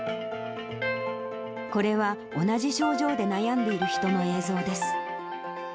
これは同じ症状で悩んでいる人の映像です。